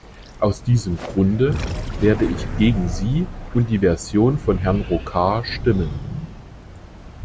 Aus diesem Grunde werde ich gegen sie und die Version von Herrn Rocard stimmen.